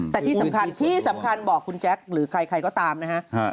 แต่ที่สำคัญที่สำคัญบอกคุณแจ๊คหรือใครก็ตามนะฮะ